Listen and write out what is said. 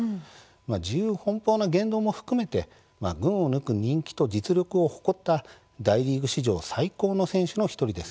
自由奔放な言動も含めて群を抜く人気と実力を誇った大リーグ史上最高の選手の１人です。